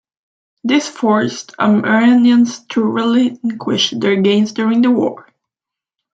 This forced Armenians to relinquish their gains during the war.